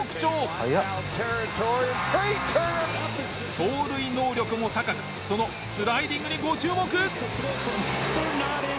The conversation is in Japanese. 走塁能力も高くそのスライディングにご注目！